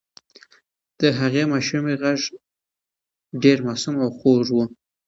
د هغې ماشومې غږ ډېر معصوم او خوږ و.